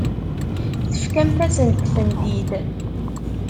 Tefkamt-asent-tent-id.